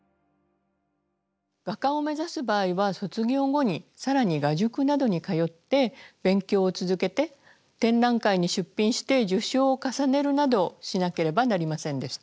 画家を目指す場合は卒業後に更に画塾などに通って勉強を続けて展覧会に出品して受賞を重ねるなどしなければなりませんでした。